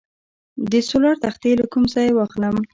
د سولر تختې له کوم ځای واخلم؟